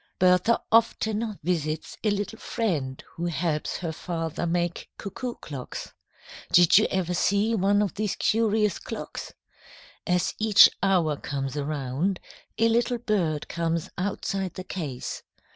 Bertha often visits a little friend who helps her father make cuckoo clocks. Did you ever see one of these curious clocks? As each hour comes around, a little bird comes outside the case.